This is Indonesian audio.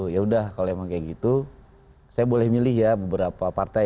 ya udah kalau emang kayak gitu saya boleh milih ya beberapa partai